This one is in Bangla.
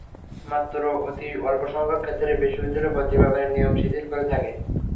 মাত্র অতি অল্পসংখ্যক ক্ষেত্রেই বিশ্ববিদ্যালয় ভর্তির ব্যাপারে নিয়ম শিথিল করে থাকে।